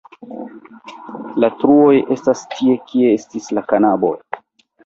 La truoj estas tie, kie estis la kanaboj.